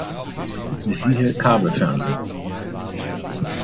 Siehe Kabelfernsehen.